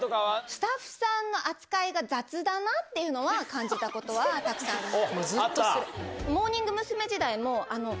スタッフさんの扱いが雑だなっていうのは感じたことはたくさあった？